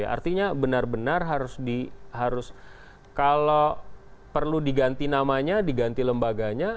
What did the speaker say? artinya benar benar harus kalau perlu diganti namanya diganti lembaganya